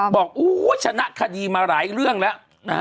บอกโอ้โหชนะคดีมาหลายเรื่องแล้ว